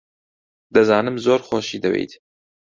دەزانم زۆر خۆشی دەوێیت.